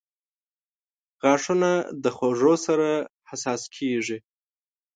• غاښونه د خوږو سره حساس کیږي.